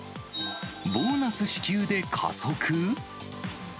ボーナス支給で加速？